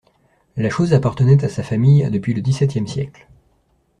La chose appartenait à sa famille depuis le dix-septième siècle.